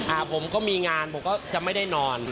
ผมก็มีงานผมก็จะไม่ได้นอน